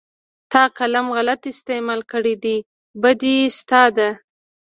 تا قلم غلط استعمال کړى دى بدي ستا ده.